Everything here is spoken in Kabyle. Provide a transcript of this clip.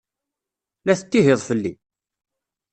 La tettihiḍ fell-i?